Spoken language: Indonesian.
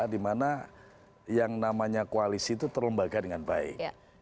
dimana yang namanya koalisi itu terlembaga dengan baik